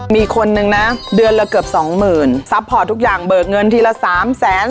มีคนนึงนะเดือนละเกือบสองหมื่นซัพพอร์ตทุกอย่างเบิกเงินทีละสามแสน